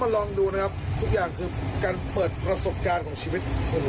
ลองดูนะครับทุกอย่างคือการเปิดประสบการณ์ของชีวิต